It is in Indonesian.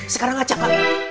sekarang aja pak